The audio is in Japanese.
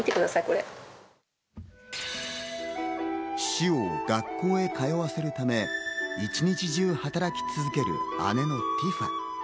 シオを学校へと通わせるため、一日中働き続ける姉のティファ。